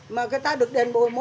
mà người ta được đền bù mỗi ếm cột